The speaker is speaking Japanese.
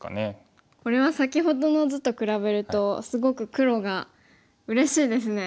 これは先ほどの図と比べるとすごく黒がうれしいですね。